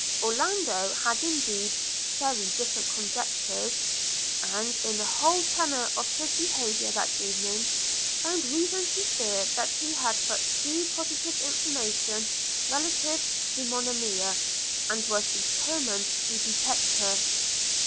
Orlando had indeed very different conjectures; and, in the whole tenor of his behaviour that evening, found reason to fear that he had but too positive information relative to Monimia, and was determined to detect her.